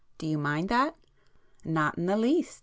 Do you mind that?" "Not in the least!"